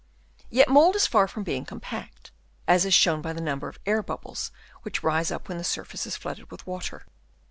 Yet mould is far from being com pact, as is shown by the number of air bubbles which rise up when the surface is flooded with water.